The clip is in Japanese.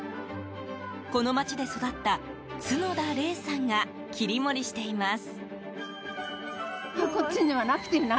この町で育った角田玲さんが切り盛りしています。